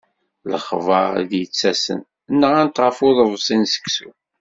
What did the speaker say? Lexbar i d-yettasen, nɣan-t ɣef uḍebsi n seksu.